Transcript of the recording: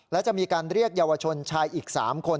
และจะมีการเรียกเยาวชนชายอีก๓คน